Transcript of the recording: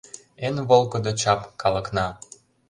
Эн волгыдо чап — калыкна.